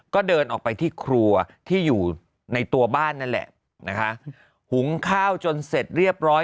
ก็เดินออกไปที่ครัวที่อยู่ในตัวบ้านนั่นแหละนะคะหุงข้าวจนเสร็จเรียบร้อย